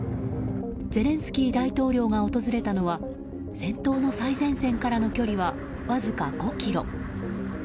ゼレンスキー大統領が訪れたのは戦闘の最前線からの距離はわずか５ｋｍ。